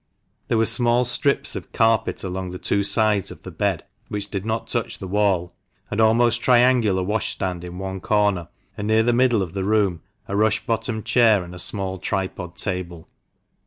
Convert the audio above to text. There were small strips of carpet along the two sides of the bed which did not touch the wall ; an almost triangular washstand in one corner, and near the middle of the room a rush bottomed chair and a small tripod table.